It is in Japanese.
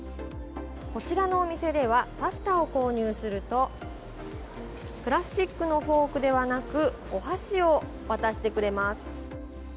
こちらのお店ではパスタを購入するとプラスチックのフォークではなくお箸を渡してくれます。